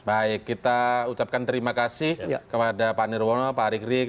baik kita ucapkan terima kasih kepada pak nirwono pak arik rik